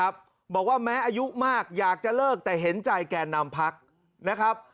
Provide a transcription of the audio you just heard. บอกว่าแม้อายุมากอยากจะเลิกแต่เห็นใจแก่นำพักนะครับ